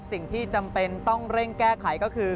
จำเป็นต้องเร่งแก้ไขก็คือ